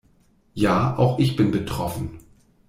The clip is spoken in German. Ja, auch ich bin betroffen.